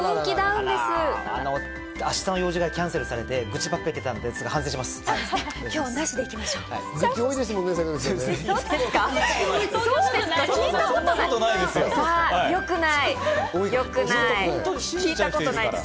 明日の用事がキャンセルされて愚痴ばっかり言ってたんですが、反省します。